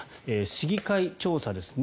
市議会庁舎です。